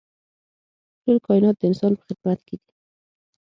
ټول کاینات د انسان په خدمت کې دي.